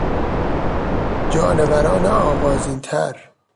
جانوران آغازین تر